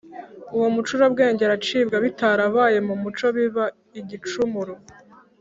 Uwo mucurabwenge aracibwa bitarabaye mu muco biba igicumuro